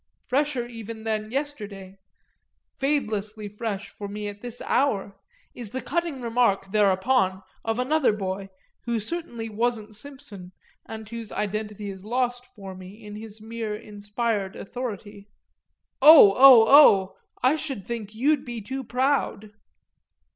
Fresher even than yesterday, fadelessly fresh for me at this hour, is the cutting remark thereupon of another boy, who certainly wasn't Simpson and whose identity is lost for me in his mere inspired authority: "Oh, oh, oh, I should think you'd be too proud